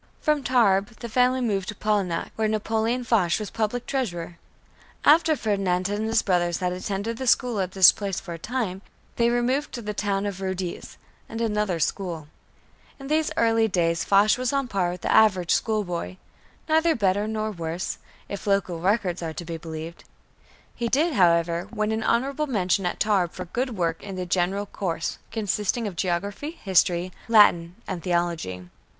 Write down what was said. From Tarbes, the family moved to Polignac, where Napoleon Foch was Public Treasurer. After Ferdinand and his brothers had attended the school at this place for a time, they removed to the town of Rodez and another school. In these early days Foch was on a par with the average schoolboy, neither better nor worse, if local records are to be believed. He did, however, win an honorable mention at Tarbes for good work in the general course, consisting of geography, history, Latin, and theology.